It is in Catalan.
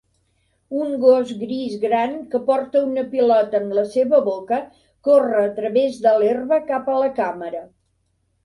Un gos gris gran que porta una pilota en la seva boca corre a través de l'herba cap a la càmera.